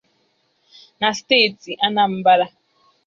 na steeti Anambra.